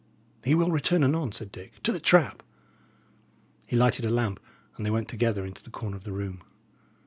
"He will return anon," said Dick. "To the trap!" He lighted a lamp, and they went together into the corner of the room.